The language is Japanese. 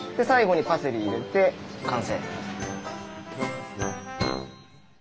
最後にパセリ入れて完成。